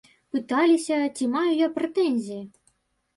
Пыталіся, ці маю я прэтэнзіі.